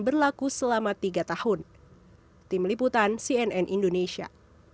berlaku selama tiga tahun tim liputan cnn indonesia